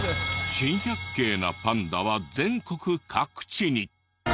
珍百景なパンダは全国各地に。